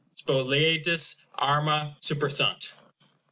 Spoliatis arma supersunt.